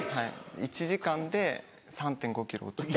１時間で３．５ｋｇ落ちた。